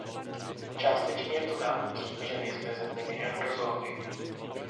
Částečně je to dáno tím, že nejsme zeměmi eurozóny.